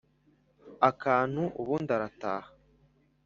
akantu ubundi arataha.